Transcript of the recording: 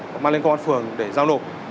và mang lên công an phường để giao nộp